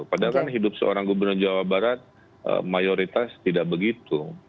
padahal kan hidup seorang gubernur jawa barat mayoritas tidak begitu